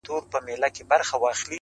خو مخته دي ځان هر ځلي ملنگ در اچوم ـ